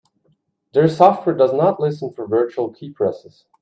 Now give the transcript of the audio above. Their software does not listen for virtual keypresses.